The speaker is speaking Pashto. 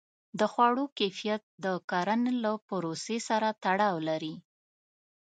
د خوړو کیفیت د کرنې له پروسې سره تړاو لري.